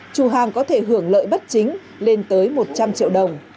chủ hàng có thể hưởng lợi bất chính lên tới một trăm linh triệu đồng